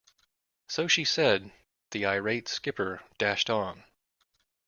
So she said, the irate skipper dashed on.